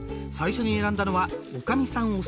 最初に選んだのはおかみさん